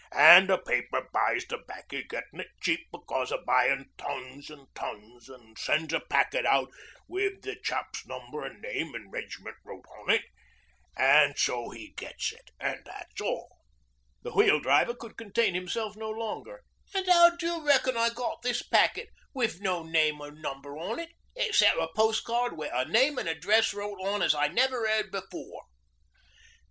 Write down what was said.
An' the paper buys the 'baccy, gettin' it cheap becos o' buyin' tons an' tons, an' sends a packet out wi the chap's number an' name and reg'ment wrote on it. So 'e gets it. An' that's all.' The Wheel Driver could contain himself no longer. 'An' how d'you reckon I got this packet, an' no name or number on it 'cept a pos'card wi' a name an' address wrote on as I never 'eard before?'